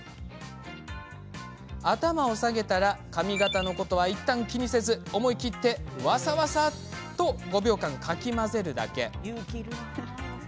頭を下げたら、髪形のことはいったん気にせず思い切ってわさわさっと５秒間かき混ぜるだけ。